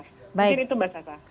jadi itu mbak sata